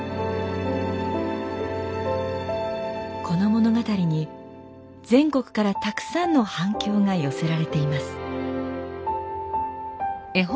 この物語に全国からたくさんの反響が寄せられています。